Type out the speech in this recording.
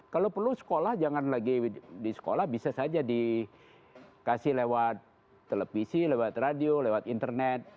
kalau perlu sekolah jangan lagi di sekolah bisa saja dikasih lewat televisi lewat radio lewat internet